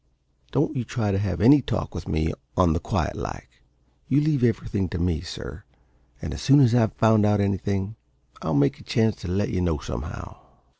Don't you try to have any talk with me on the quiet like. You leave everything to me, sir, and as soon as I've found out anything I'll make a chance to let you know, somehow."